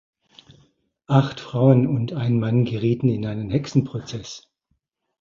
Acht Frauen und ein Mann gerieten in einen Hexenprozess.